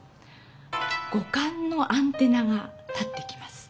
五感のアンテナが立ってきます。